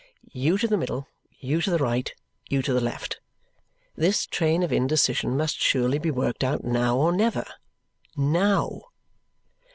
You to the middle, you to the right, you to the left. This train of indecision must surely be worked out now or never. Now!